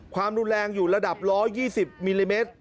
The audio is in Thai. ความรุนแรงอยู่ระดับ๑๒๐มิลลิเมตร